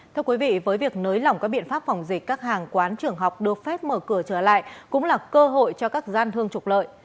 thưa quý vị với việc nới lỏng các biện pháp phòng dịch các hàng quán trường học được phép mở cửa trở lại cũng là cơ hội cho các gian thương trục lợi